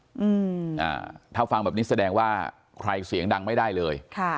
อืมอ่าถ้าฟังแบบนี้แสดงว่าใครเสียงดังไม่ได้เลยค่ะ